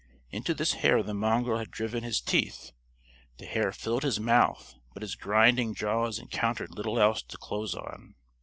Into this hair the mongrel had driven his teeth. The hair filled his mouth, but his grinding jaws encountered little else to close on.